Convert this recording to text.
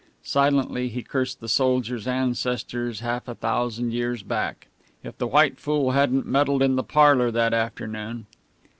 Silently he cursed the soldier's ancestors half a thousand years back. If the white fool hadn't meddled in the parlour that afternoon!